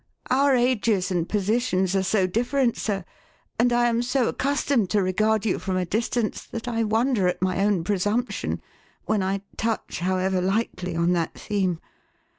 Our ages and positions are so different, sir, and I am so accustomed to regard you from a distance, that I wonder at my own presumption when I touch, however lightly, on that theme.